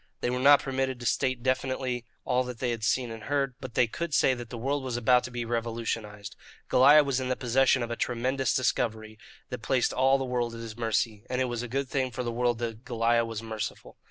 They were not permitted to state definitely all that they had seen and heard, but they could say that the world was about to be revolutionized. Goliah was in the possession of a tremendous discovery that placed all the world at his mercy, and it was a good thing for the world that Goliah was merciful.